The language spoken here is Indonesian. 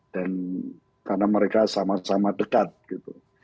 karena mereka sama sama dekat gitu